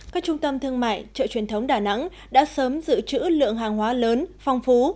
các trung tâm thương mại chợ truyền thống đà nẵng đã sớm giữ chữ lượng hàng hóa lớn phong phú